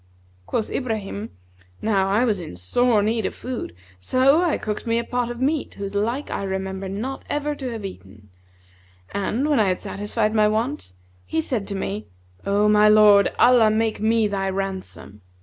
(Quoth Ibrahim), Now I was in sore need of food so I cooked me a pot of meat whose like I remember not ever to have eaten; and, when I had satisfied my want, he said to me, 'O my lord, Allah make me thy ransom!